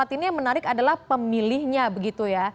ini yang menarik adalah pemilihnya begitu ya